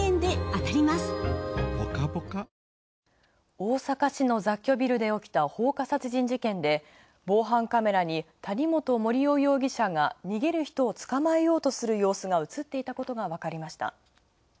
大阪市の雑居ビルで起きた放火殺人事件で防犯カメラに谷本盛雄容疑者が逃げる人を捕まえようとする様子が映っていたことがわかりました。